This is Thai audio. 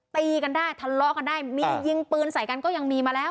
ตีกันได้ทะเลาะกันได้มียิงปืนใส่กันก็ยังมีมาแล้ว